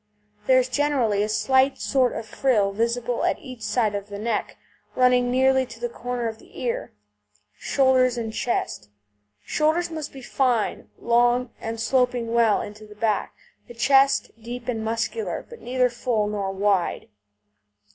There is generally a slight sort of frill visible at each side of the neck, running nearly to the corner of the ear. SHOULDERS AND CHEST Shoulders must be fine, long, and sloping well into the back; the chest deep and muscular, but neither full nor wide.